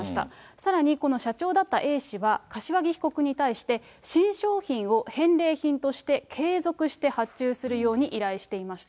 さらに、この社長だったＡ氏は、柏木被告に対して、新商品を返礼品として継続して発注するように依頼していました。